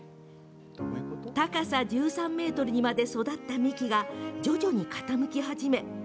高さ１３ｍにまで育った幹が徐々に傾き始め